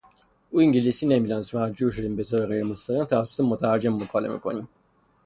او انگلیسی نمیدانست و مجبور شدیم به طور غیرمستقیم توسط مترجم مکالمه کنیم.